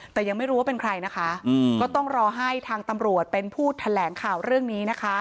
แต่ยังไม่รู้ว่าเป็นใครนะคะก็ต้องรอให้ทางตำรวจเป็นผู้แถลงข่าวเรื่องนี้นะคะ